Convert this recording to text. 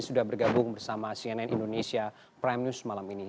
sudah bergabung bersama cnn indonesia prime news malam ini